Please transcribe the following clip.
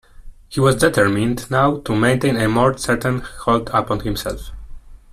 He was determined now to maintain a more certain hold upon himself.